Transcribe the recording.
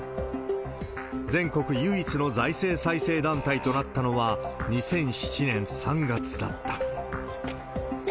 全国唯一の財政再生団体となったのは２００７年３月だった。